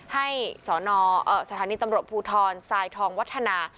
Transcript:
สนสถานีตำรวจภูทรทรายทองวัฒนา